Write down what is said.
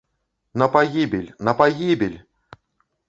На пагібель, на пагібель!